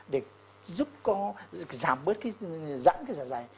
để giảm bớt giãn cái dài dài